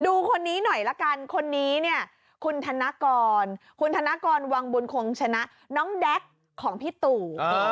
ดูคนนี้หน่อยละกันคนนี้เนี่ยคุณธนกรคุณธนกรวังบุญคงชนะน้องแด๊กของพี่ตู่